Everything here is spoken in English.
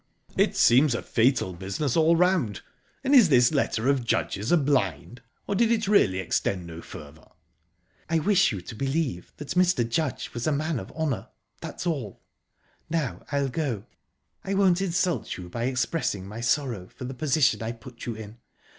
"It seems a fatal business all round. And is this letter of Judge's a blind, or did it really extend no further?" "I wish you to believe that Mr. Judge was a man of honour... That's all. Now I'll go...I won't insult you by expressing my sorrow for the position I've put you in...